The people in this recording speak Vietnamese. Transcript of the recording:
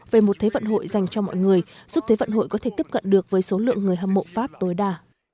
về một thế vận hội dành cho mọi người giúp thế vận hội có thể tiếp cận được với số lượng người hâm mộ pháp tối đa